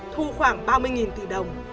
thu khoảng ba mươi tỷ đồng